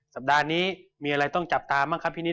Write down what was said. สัปดาห์นี้มีอะไรต้องจับตาบ้างครับพี่นิด